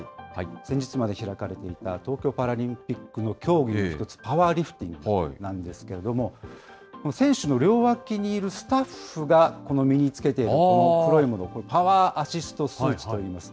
先日まで開かれていた東京パラリンピックの競技の１つ、パワーリフティングなんですけれども、選手の両脇にいるスタッフが身に着けているこの黒いもの、これ、パワーアシストスーツといいます。